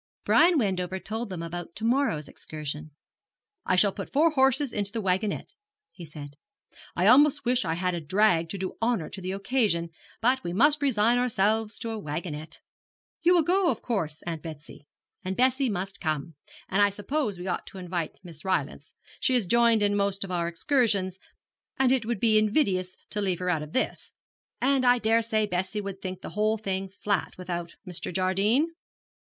Brian Wendover told them about to morrow's excursion. 'I shall put four horses into the wagonette,' he said. 'I almost wish I had a drag to do honour to the occasion; but we must resign ourselves to a wagonette. You will go, of course, Aunt Betsy? and Bessie must come; and I suppose we ought to invite Miss Rylance. She has joined in most of our excursions, and it would be invidious to leave her out of this. And I dare say Bessie would think the whole thing flat without Mr. Jardine?'